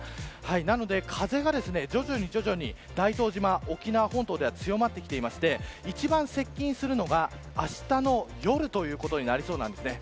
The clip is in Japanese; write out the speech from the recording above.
なので、風が徐々に大東島沖縄本島では強まってきていて一番接近するのがあしたの夜ということになりそうなんですね。